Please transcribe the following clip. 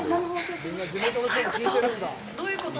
どういうこと！？